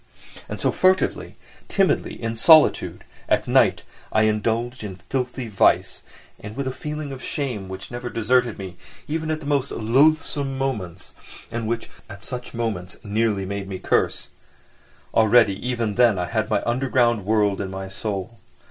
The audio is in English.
And so, furtively, timidly, in solitude, at night, I indulged in filthy vice, with a feeling of shame which never deserted me, even at the most loathsome moments, and which at such moments nearly made me curse. Already even then I had my underground world in my soul.